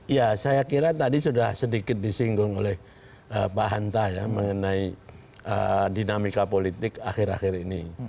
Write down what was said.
ya saya kira tadi sudah sedikit disinggung oleh pak hanta ya mengenai dinamika politik akhir akhir ini